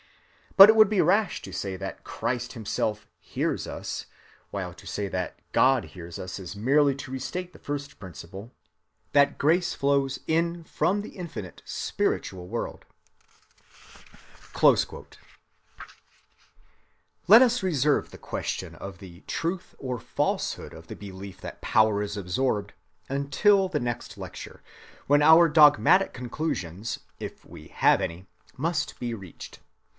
But it would be rash to say that Christ himself hears us; while to say that God hears us is merely to restate the first principle,—that grace flows in from the infinite spiritual world." Let us reserve the question of the truth or falsehood of the belief that power is absorbed until the next lecture, when our dogmatic conclusions, if we have any, must be reached.